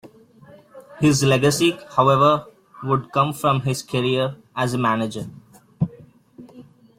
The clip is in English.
His legacy, however, would come from his career as a manager.